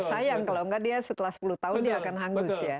sayang kalau enggak dia setelah sepuluh tahun dia akan hangus ya